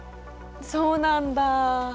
そうなんだ。